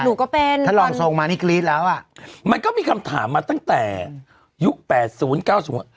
หนูก็เป็นท่านรองทรงมานี่กรี๊ดแล้วอ่ะมันก็มีคำถามมาตั้งแต่ยุคแปดศูนย์เก้าศูนย์